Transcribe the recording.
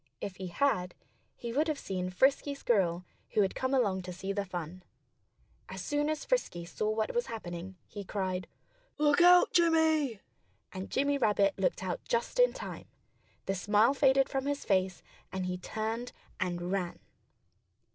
If he had, he would have seen Frisky Squirrel, who had come along to see the fun. As soon as Frisky saw what was happening, he cried: "Look out, Jimmy!" And Jimmy Rabbit looked out just in time. The smile faded from his face. And he turned and ran.